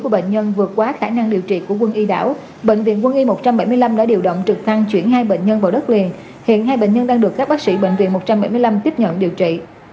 bệnh viện quân y một trăm bảy mươi năm đã điều động trực thăng chuyển hai bệnh nhân vào đất liền hiện hai bệnh nhân đang được các bác sĩ bệnh viện một trăm bảy mươi năm tiếp nhận điều trị